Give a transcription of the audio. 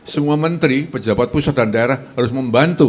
semua menteri pejabat pusat dan daerah harus membantu